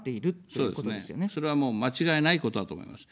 そうですね、それはもう間違いないことだと思います。